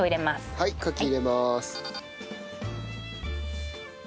はいカキ入れます。